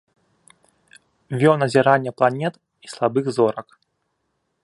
Вёў назірання планет і слабых зорак.